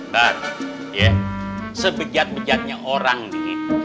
dan ya sebejat bejatnya orang nih